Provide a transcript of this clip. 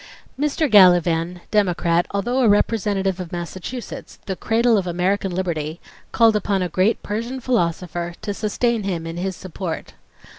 Mr. Gallivan, Democrat, although a representative of Massachusetts, "the cradle of American liberty," called upon a great Persian philosopher to sustain him in his support.